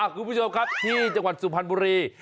คุณผู้ชมครับที่จังหวัดสุพรรณบุรี